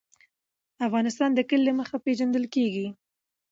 افغانستان د کلي له مخې پېژندل کېږي.